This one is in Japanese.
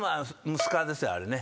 スカですよあれね。